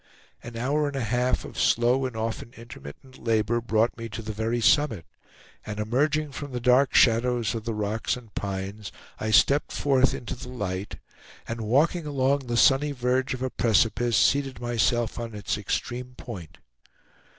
An hour and a half of slow and often intermittent labor brought me to the very summit; and emerging from the dark shadows of the rocks and pines, I stepped forth into the light, and walking along the sunny verge of a precipice, seated myself on its extreme point.